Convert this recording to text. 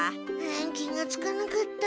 気がつかなかった。